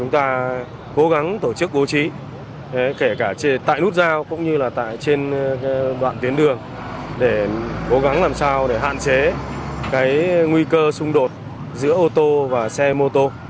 trên đoạn tiến đường để cố gắng làm sao để hạn chế cái nguy cơ xung đột giữa ô tô và xe mô tô